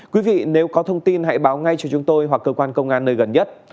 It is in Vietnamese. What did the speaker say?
quý vị nếu có thông tin hãy báo ngay cho chúng tôi hoặc cơ quan công an nơi gần nhất